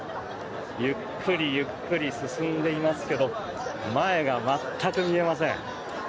ゆっくり、ゆっくり進んでいますけど前が全く見えません。